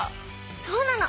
そうなの！